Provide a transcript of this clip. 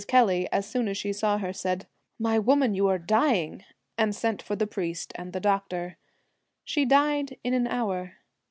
Kelly, as soon as she saw her, said, ' My woman, you are dying,' and sent for the priest and the doctor. She died in an hour.